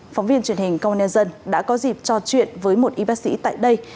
phóng viên truyền hình công an nhân dân đã có dịp trò chuyện với một y bác sĩ tại đây